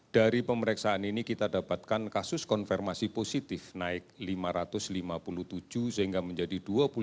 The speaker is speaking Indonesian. dari pemeriksaan ini kita dapatkan kasus konfirmasi positif naik lima ratus lima puluh tujuh sehingga menjadi dua puluh lima tujuh ratus tujuh puluh tiga